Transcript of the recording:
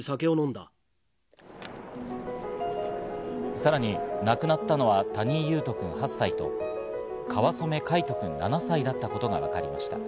さらに亡くなったのは谷井勇斗くん８歳と、川染凱仁くん７歳だったことがわかりました。